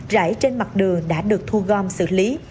rãi trên mặt đường đã được thu gom xử lý